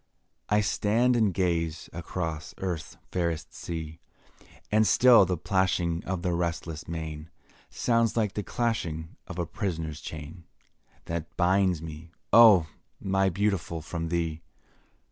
I stand and gaze across Earth's fairest sea, And still the plashing of the restless main, Sounds like the clashing of a prisoner's chain, That binds me, oh! my Beautiful, from thee.